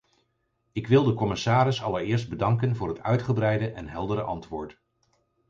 Ik wil de commissaris allereerst bedanken voor het uitgebreide en heldere antwoord.